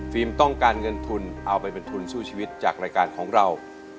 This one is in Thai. ต้องการเงินทุนเอาไปเป็นทุนสู้ชีวิตจากรายการของเรา